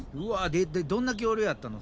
でどんな恐竜やったの？